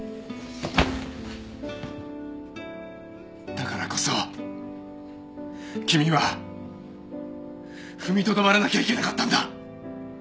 だからこそ君は踏みとどまらなきゃいけなかったんだ。